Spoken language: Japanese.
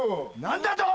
何だと？